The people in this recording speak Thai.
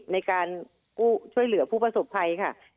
ในการช่วยเหลือผู้ประสบภัยค่ะ